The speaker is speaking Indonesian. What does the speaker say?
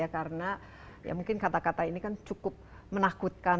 karena mungkin kata kata ini cukup menakutkan